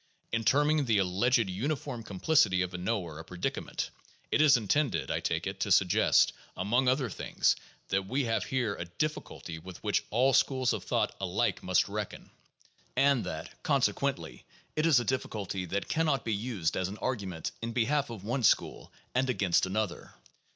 In terming the alleged uniform complicity of a knower a predicament, it is intended, I take it, to suggest, among other things, that we have here a difficulty with which all schools of thought alike must reckon; and that conse quently it is a difficulty that can not be used as an argument in behalf of one school and against another.